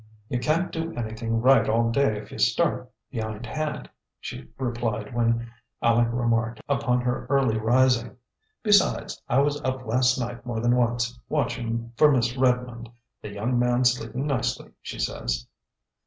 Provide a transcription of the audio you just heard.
"You can't do anything right all day if you start behindhand," she replied when Aleck remarked upon her early rising. "Besides, I was up last night more than once, watching for Miss Redmond. The young man's sleeping nicely, she says."